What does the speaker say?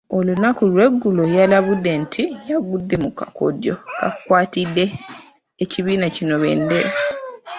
Olunaku lweggulo yalabudde nti yagudde mu kakodyo kakwatidde ekibiina kino bbendera.